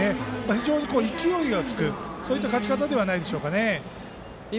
非常に勢いがつく、そういった勝ち方じゃないでしょうかね。